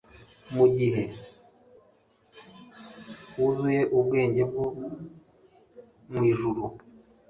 Mugihe wuzuye ubwenge bwo mwijuru